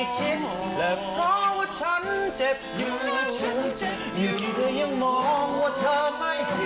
ก่อนอะไรจะทำให้เรามองหน้านั้นไม่ได้